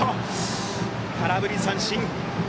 空振り三振。